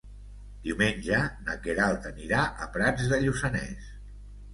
Diumenge na Queralt anirà a Prats de Lluçanès.